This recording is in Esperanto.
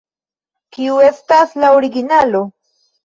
Kiu estas la originalo?